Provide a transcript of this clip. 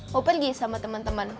mau pergi sama teman teman